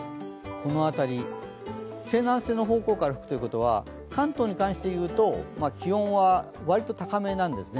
この辺り、西南西の方向から吹くということは関東に関していうと、気温は割と高めなんですね。